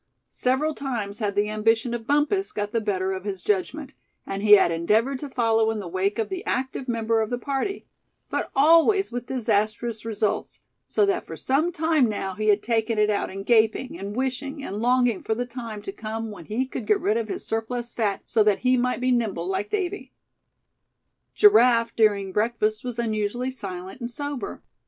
Several times had the ambition of Bumpus got the better of his judgment, and he had endeavored to follow in the wake of the active member of the party; but always with disastrous results; so that for some time now he had taken it out in gaping, and wishing, and longing for the time to come when he could get rid of his surplus fat, so that he might be nimble like Davy. Giraffe during breakfast was unusually silent and sober.